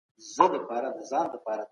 پښتو په ښه توګه زده کړه.